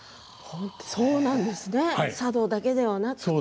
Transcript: そうなんですね佐渡だけではなくて。